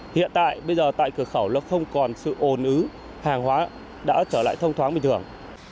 hiện tại bây giờ tại cửa khẩu nó không còn sự ồn ứ hàng hóa đã trở lại thông thoáng bình thường